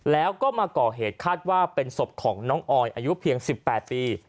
แล้วก็มาก่อเหตุคาดว่าเป็นศพของน้องออยอายุเพียง๑๘ปี